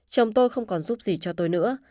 chồng tôi không còn giúp gì cho tôi nữa